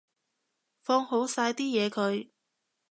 放好晒啲嘢佢